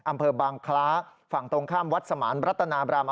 อำเภาบางคลาภังตรงข้ามวัสสมาร์นบรรตนามราม